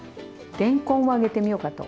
れんこんを揚げてみようかと。